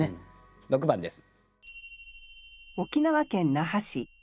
６番です。